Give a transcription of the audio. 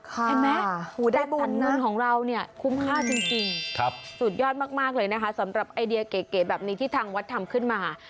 เห็นไหมแต่ผลเงินของเราเนี่ยคุ้มค่าจริงสุดยอดมากเลยนะคะสำหรับไอเดียเก๋แบบนี้ที่ทางวัดทำขึ้นมา